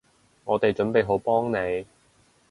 我哋準備好幫你